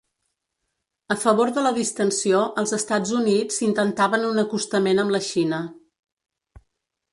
A favor de la distensió, els Estats Units intentaven un acostament amb la Xina.